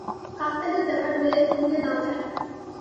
কাকতালীয় ব্যাপার বলে একে উড়িয়ে দেওয়া যায় না।